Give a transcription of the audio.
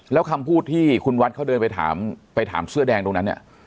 แล้วคำพูดที่คุณวัดเขาเดินไปถามไปถามเสื้อแดงตรงนั้นเนี่ย